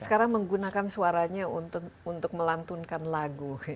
sekarang menggunakan suaranya untuk melantunkan lagu